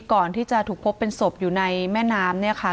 ก่อนที่จะถูกพบเป็นศพอยู่ในแม่น้ำเนี่ยค่ะ